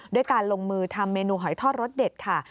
ด้วยการลงมือทำเมนูหอยทอดรสเด็ดค่ะ